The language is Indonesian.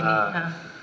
itu tidak mau